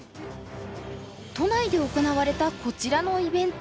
都内で行われたこちらのイベント。